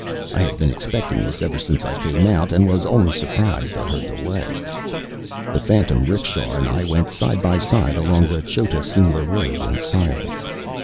I had been expecting this ever since I came out; and was only surprised at her delay. The phantom 'rickshaw and I went side by side along the Chota Simla road in silence.